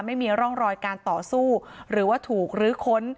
ไม่มีร่องรอยการต่อสู้หรือว่าถูกลื้อค้น